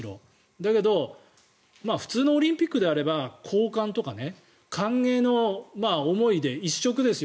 だけど普通のオリンピックであれば好感とか歓迎の思いで一色ですよ